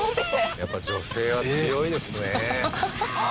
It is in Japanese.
やっぱ女性は強いですね。